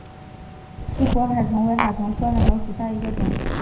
疏果海桐为海桐科海桐属下的一个种。